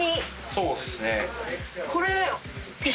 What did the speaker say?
そうっすね。